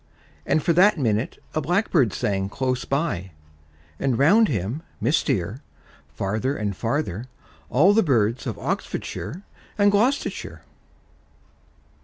And for that minute a blackbird sang Close by, and round him, mistier, Farther and farther, all the birds Of Oxfordshire and Gloustershire.